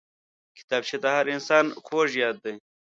کتابچه د هر انسان خوږ یاد دی